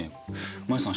マヤさん